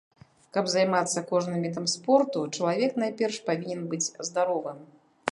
Каб займацца кожным відам спорту, чалавек найперш павінен быць здаровым.